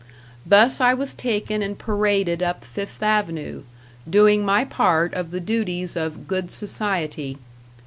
Thus I was taken and paraded up Fifth Avenue, doing my part of the duties of Good Society.